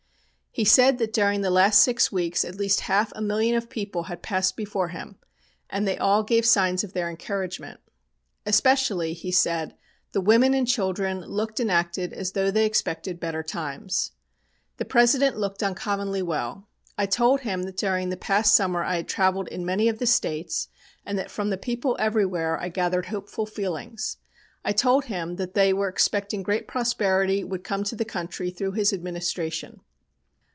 "He said that during the last six weeks at least a half million of people had passed before him, and they all gave signs of their encouragement. Especially, he said, the women and children looked and acted as though they expected better times. "The President looked uncommonly well. I told him that during the past summer I had travelled in many of the states, and that from the people everywhere I gathered hopeful feelings. I told him that they were expecting great prosperity would come to the country through his administration."